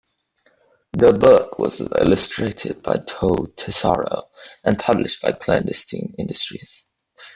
The book was illustrated by Joe Tesauro and published by Clandestine Industries.